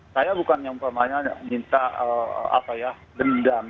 saya bukan yang minta dendam